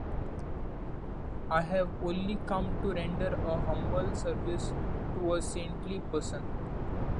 I have only come to render a humble service to a saintly person.